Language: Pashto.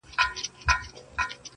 ګوندي نن وي که سبا څانګه پیدا کړي٫